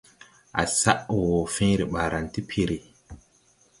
À saʼ wɔ fẽẽre ɓaaran ti piri.